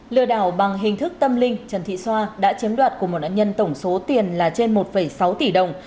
lừa đảo bằng hình thức tâm linh trần thị xoa đã chiếm đoạt của một nạn nhân tổng số tiền là trên một sáu tỷ đồng